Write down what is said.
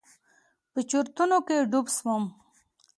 په چورتونو کښې ډوب سوم.